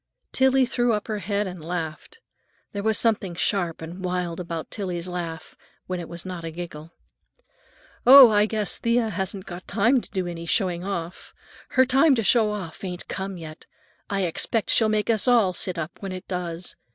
Tillie threw up her head and laughed; there was something sharp and wild about Tillie's laugh—when it was not a giggle. "Oh, I guess Thea hasn't got time to do any showing off. Her time to show off ain't come yet. I expect she'll make us all sit up when it does.